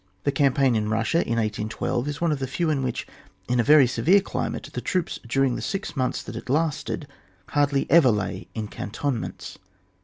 Thecampaign inKussiain 1812 is one of the few in which, in a very severe climate, the troops, during the six months that it lasted hardly ever lay in cantonments.